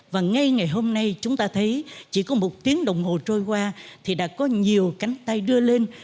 và ngay ngày hôm nay chúng ta thấy chỉ có một tiếng đồng hồ trôi qua thì đã có nhiều cánh tay đưa lên